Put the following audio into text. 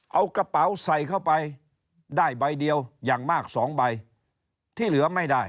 เอากระเป๋าใส่เข้าไปได้ใบเดียวอย่างมากสองใบที่เหลือไม่ได้